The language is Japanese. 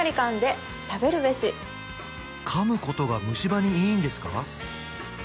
噛むことが虫歯にいいんですか？